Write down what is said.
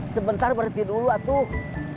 sebentar berhenti dulu atuk